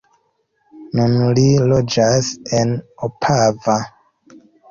Nun li loĝas en Opava.